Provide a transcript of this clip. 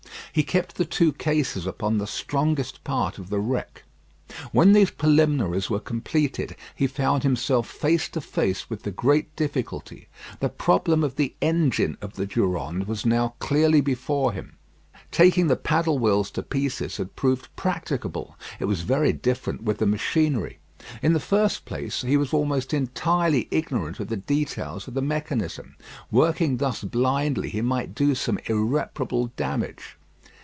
He kept the two cases upon the strongest part of the wreck. When these preliminaries were completed, he found himself face to face with the great difficulty. The problem of the engine of the Durande was now clearly before him. Taking the paddle wheels to pieces had proved practicable. It was very different with the machinery. In the first place, he was almost entirely ignorant of the details of the mechanism. Working thus blindly he might do some irreparable damage.